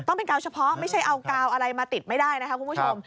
ต้องเป็นกาวเฉพาะไม่ใช่เอากาวอะไรมาติดไม่ได้นะคะคุณผู้ชม